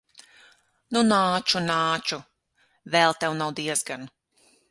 Nu, nāču, nāču. Vēl tev nav diezgan.